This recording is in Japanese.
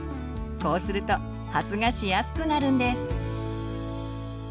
こうすると発芽しやすくなるんです。